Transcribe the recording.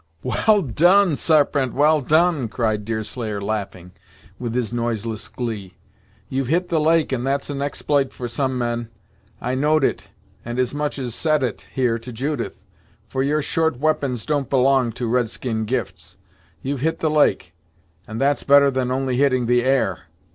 "Well done Sarpent well done " cried Deerslayer laughing, with his noiseless glee, "you've hit the lake, and that's an expl'ite for some men! I know'd it, and as much as said it, here, to Judith; for your short we'pons don't belong to red skin gifts. You've hit the lake, and that's better than only hitting the air!